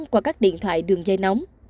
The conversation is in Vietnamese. qua các điện thoại đường dây nóng